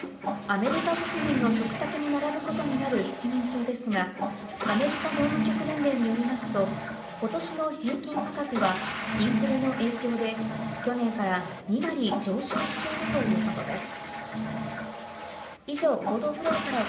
アメリカ国民の食卓に並ぶことになる七面鳥ですが、アメリカ農務局連盟によりますと今年の平均価格は、インフレの影響で去年から２割上昇しているということです。